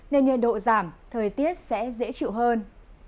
nên nhiệt độ giảm thời tiết sẽ dễ chịu hơn